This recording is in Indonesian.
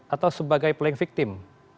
atau sebagai playing victim